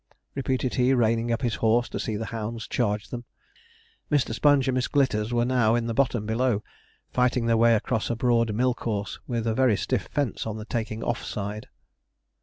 repeated he, reining up his horse to see the hounds charge them. Mr. Sponge and Miss Glitters were now in the bottom below, fighting their way across a broad mill course with a very stiff fence on the taking off side.